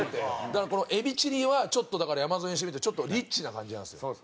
だからこのエビチリは山添にしてみるとちょっとリッチな感じなんですよ。